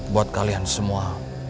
buat kalian semua